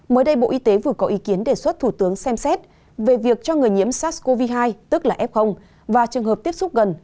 mới đây bộ y tế vừa có ý kiến đề xuất thủ tướng xem xét về việc cho người nhiễm sars cov hai và trường hợp tiếp xúc gần